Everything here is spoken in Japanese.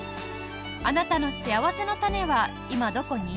あなたのしあわせのたねは今どこに？